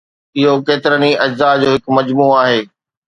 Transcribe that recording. اهو ڪيترن ئي اجزاء جو هڪ مجموعو آهي